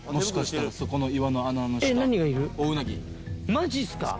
マジっすか⁉